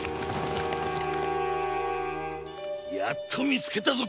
やっと見つけたぞ。